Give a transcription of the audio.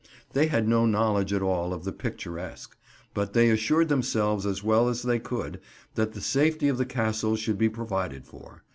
They had no knowledge at all of the picturesque; but they assured themselves, as well as they could, that the safety of the Castle should be provided for.